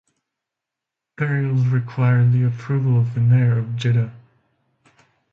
Burials require the approval of the Mayor of Jeddah.